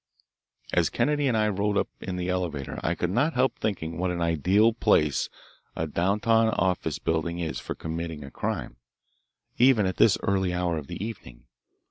As Kennedy and I rode up in the elevator I could not help thinking what an ideal place a down town office building is for committing a crime, even at this early hour of the evening.